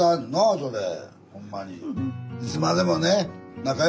それほんまに。